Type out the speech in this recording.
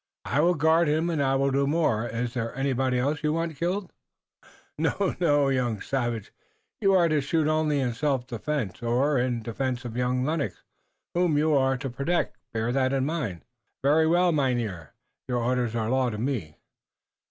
"I will guard him, and I will do more. Is there anybody you want killed?" "No, no, you young savage! You are to shoot only in self defense, or in defense of young Lennox whom you are to protect. Bear that in mind." "Very well, Mynheer. Your orders are law to me."